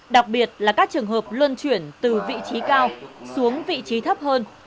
đặc biệt là các trường hợp luân chuyển từ vị trí cao xuống vị trí thấp hơn